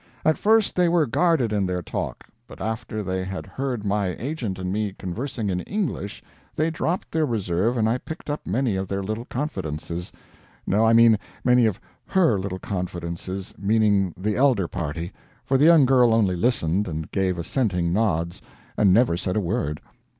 At first they were guarded in their talk, but after they had heard my agent and me conversing in English they dropped their reserve and I picked up many of their little confidences; no, I mean many of HER little confidences meaning the elder party for the young girl only listened, and gave assenting nods, but never said a word.